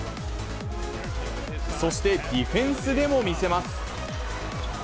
そしてディフェンスでも見せます。